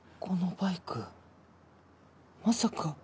このバイクまさか。